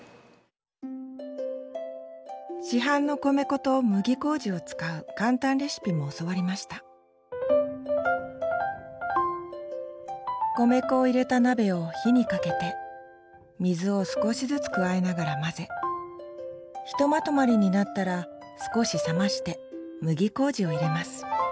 市販の米粉と麦麹を使う簡単レシピも教わりました米粉を入れた鍋を火をかけて水を少しずつ加えながら混ぜひとまとまりになったら少し冷まして麦麹を入れます。